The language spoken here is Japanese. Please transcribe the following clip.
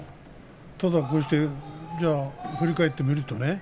ただこうして振り返ってみるとね